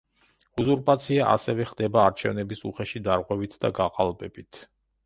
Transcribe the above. უზურპაცია ასევე ხდება არჩევნების უხეში დარღვევით და გაყალბებით.